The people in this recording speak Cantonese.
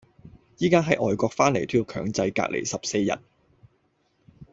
而家喺外國返嚟都要強制隔離十四日